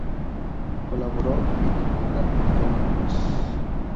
Colaboró en el programa "Fenómenos".